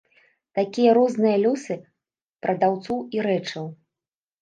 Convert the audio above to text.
Такія розныя лёсы прадаўцоў і рэчаў.